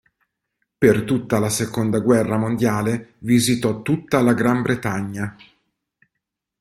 Per tutta la seconda guerra mondiale visitò tutta la Gran Bretagna.